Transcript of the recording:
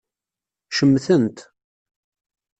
Cemmten-t.